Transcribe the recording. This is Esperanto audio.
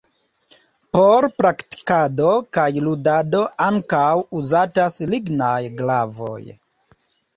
Por praktikado kaj ludado ankaŭ uzatas lignaj glavoj.